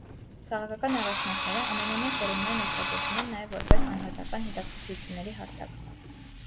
Քաղաքական առաջնորդները ամենամյա ֆորումներն օգտագործում են նաև որպես անհատական հետաքրքրությունների հարթակ։